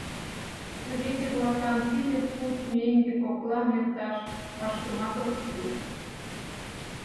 Рвезе-влаклан тиде куд меҥге коклам эрташ вашкымат ок кӱл.